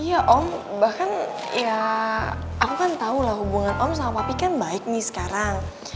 iya om bahkan ya aku kan tahu lah hubungan om sama papiken baik nih sekarang